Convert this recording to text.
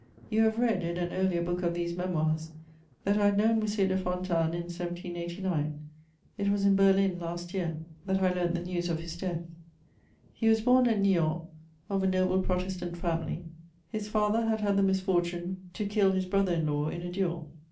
You have read, in an earlier book of these Memoirs, that I had known M. de Fontanes in 1789: it was in Berlin, last year, that I learnt the news of his death. He was born at Niort of a noble Protestant family: his father had had the misfortune to kill his brother in law in a duel.